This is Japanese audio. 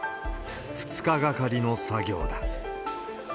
２日がかりの作業だ。